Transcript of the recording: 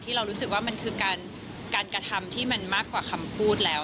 เรารู้สึกว่ามันคือการกระทำที่มันมากกว่าคำพูดแล้ว